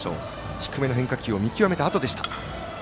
低めの変化球を見極めたあとでした。